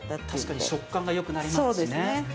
確かに食感がよくなりますしね。